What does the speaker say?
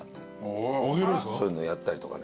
そういうのやったりとかね。